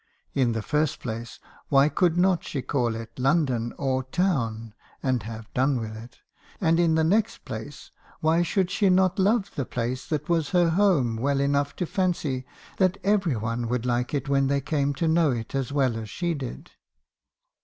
In the first place, why could not she call it ' London,' or * town,' and have done with it? And in the next place , why should she not love the place that was her home well enough to fancy that every one would like it when they came to know it as well as she did?